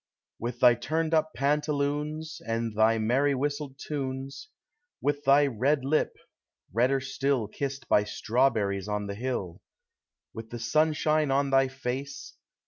With thy turned up pantaloons, And thy merry whistled tunes; With thy red lip, redder still Kissed by strawberries on the hill; With the sunshine on thy face.